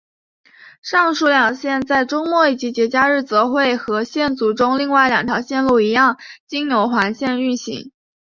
上述两线在周末以及节假日则会和线组中另外两条线路一样经由环线运行。